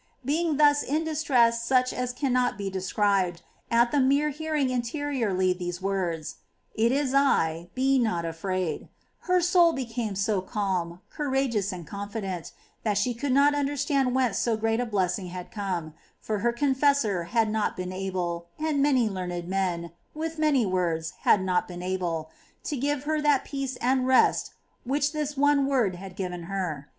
22. Being thus in distress such as cannot be described, at the mere hearing interiorly these words,^ " It is I, be not afraid," her soul became so calm, courageous, and confident, that she could not understand whence so great a blessing had come ; for her confessor had not been able — and many learned men, with many words, had not been able — to give her that peace and rest w^hich this one word had given her.